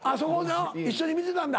一緒に見てたんだ。